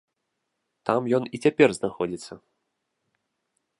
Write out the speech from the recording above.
Там ён і цяпер знаходзіцца.